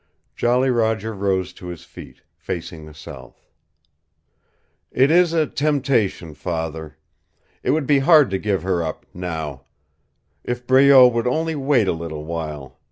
Jolly Roger rose to his feet, facing the south. "It is a temptation, father. It would be hard to give her up now. If Breault would only wait a little while.